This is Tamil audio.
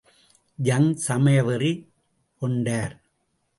யங் சமயவெறி கொண்டார்.